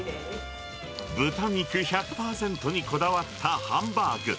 豚肉１００％にこだわったハンバーグ。